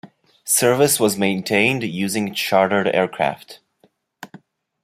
Service was maintained using chartered aircraft.